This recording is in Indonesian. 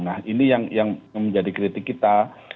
nah ini yang menjadi kritik kita